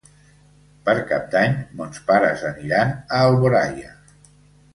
Per Cap d'Any mons pares aniran a Alboraia.